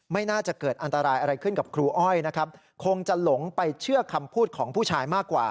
ไม่น่าจะเกิดอันตรายอะไรขึ้นกับครูอ้อยนะครับคงจะหลงไปเชื่อคำพูดของผู้ชายมากกว่า